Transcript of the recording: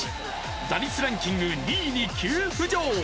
打率ランキング２位に急浮上。